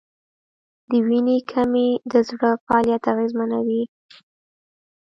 د وینې کمی د زړه فعالیت اغېزمنوي.